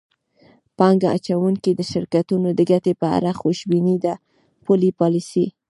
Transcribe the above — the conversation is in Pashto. پانګه اچوونکو د شرکتونو د ګټې په اړه خوشبیني د پولي پالیسۍ